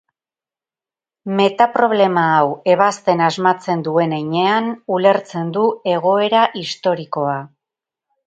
Metaproblema hau ebazten asmatzen duen heinean ulertzen du egoera historikoa.